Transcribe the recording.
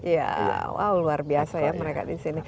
ya wah luar biasa ya mereka di sini